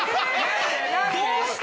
どうした？